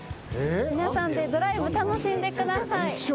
皆さんでドライブ楽しんでください。